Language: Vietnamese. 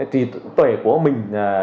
trí tuệ của mình